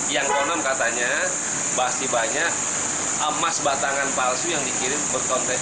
yang konon katanya pasti banyak emas batangan palsu yang dikirim berkontes